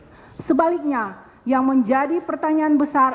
hai sebaliknya yang menjadi pertanyaan besar